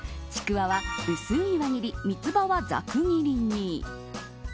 ちくわは薄い輪切りミツバはざく切りに。